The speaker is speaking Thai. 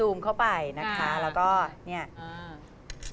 สูมเข้าไปนะคะด้วยความจริงใจ